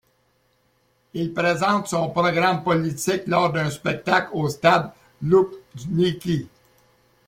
Il présente son programme politique lors d'un spectacle au stade Loujniki.